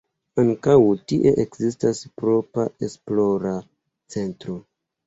Ankaŭ tie ekzistas propra esplora centro.